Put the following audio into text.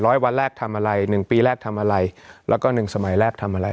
วันแรกทำอะไรหนึ่งปีแรกทำอะไรแล้วก็หนึ่งสมัยแรกทำอะไร